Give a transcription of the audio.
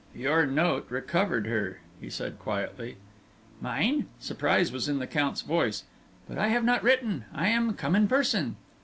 "Your note recovered her!" he said, quietly. "Mine!" Surprise was in the Count's voice. "But I have not written. I am come in person."